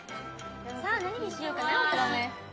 さぁ何にしようかな？